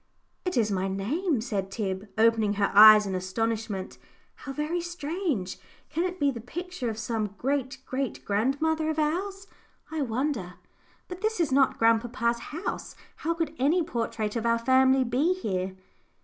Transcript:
"It is my name," said Tib, opening her eyes in astonishment; "how very strange! Can it be the picture of some great great grandmother of ours, I wonder? But this is not grandpapa's house. How could any portrait of our family be here?"